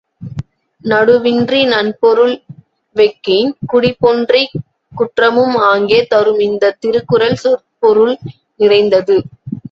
நடுவின்றி நன்பொருள் வெஃகின் குடிபொன்றிக் குற்றமும் ஆங்கே தரும் இந்தத் திருக்குறள் சொற்பொருள் நிறைந்தது.